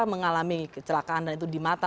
mengalami kecelakaan di mata